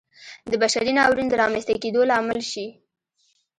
د بشري ناورین د رامنځته کېدو لامل شي.